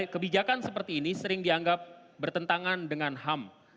kebijakan seperti ini sering dianggap bertentangan dengan ham